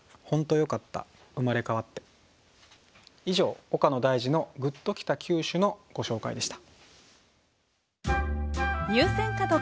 以上「岡野大嗣の“グッときた九首”」のご紹介でした。